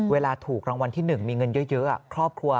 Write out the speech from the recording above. เวลาถูกรางวัลที่นึงมีเงินเยอะ